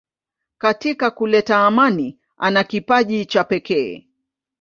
Katika kuleta amani ana kipaji cha pekee.